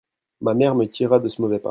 ma mère me tira de ce mauvais pas.